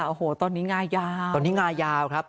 โอ้โหตอนนี้งายาว